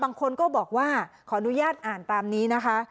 บางคนก็บอกว่าขออนุญาตอ่านตามนี้นะคะ